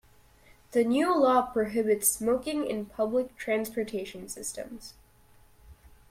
The new law prohibits smoking in public transportation systems.